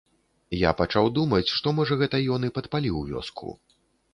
Я пачаў думаць, што, можа, гэта ён і падпаліў вёску.